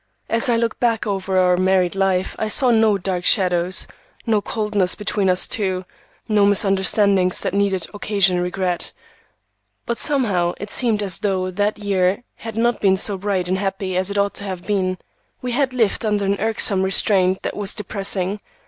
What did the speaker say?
As I looked back over our married life I saw no dark shadows, no coldness between us two, no misunderstandings that need occasion regret, but somehow it seemed as though that year had not been so bright and happy as it ought to have been. We had lived under an irksome restraint that was depressing.